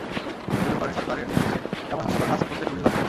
তিনি অভিযোগ করেন, সরকারের নির্দেশে এমন হাস্যকর কাজ করতে পুলিশ বাধ্য হয়েছে।